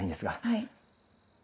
はい。